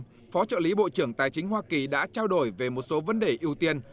trong năm hai nghìn hai mươi phó trợ lý bộ trưởng tài chính hoa kỳ đã trao đổi về một số vấn đề ưu tiên